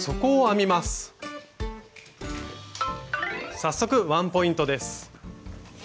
早速ワンポイントです。